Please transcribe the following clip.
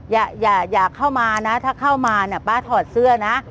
อย่าอย่าอย่าเข้ามานะถ้าเข้ามาน่ะป้าถอดเสื้อนะ